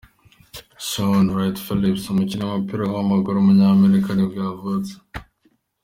Shaun Wright-Phillips, umukinnyi w’umupira w’amaguru w’umunyamerika nibwo yavutse.